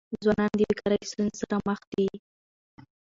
ځوانان د بېکاری د ستونزي سره مخ دي.